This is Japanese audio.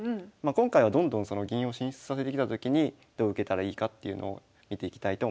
今回はどんどんその銀を進出させてきたときにどう受けたらいいかっていうのを見ていきたいと思います。